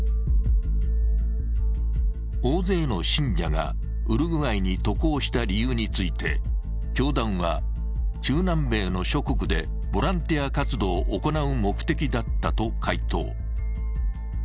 大勢の信者がウルグアイに渡航した理由について、教団は、中南米の諸国でボランティア活動を行う目的だったと回答。